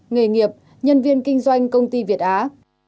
nghề nghiệp nhân viên kinh doanh công ty việt á